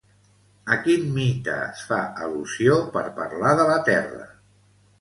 A quin mite es fa al·lusió per parlar de la Terra?